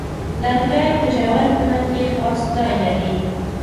لرګی په ژور هنر کې خاص ځای لري.